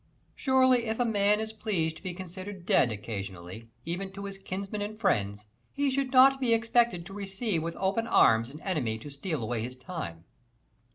Surely if a man is pleased to be considered "dead" occasionally, even to his kinsmen and friends, he should not be expected to receive with open arms an enemy to steal away his time.